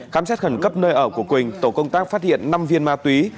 khám xét khẩn cấp nơi ở của quỳnh tổ công tác phát hiện năm viên ma túy